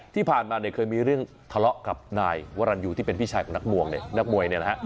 ที่ผ่านมาเนี่ยเคยมีเรื่องทะเลาะกับนายวรรณยูที่เป็นพี่ชายของนักมวยเนี่ยนักมวยเนี่ยนะฮะ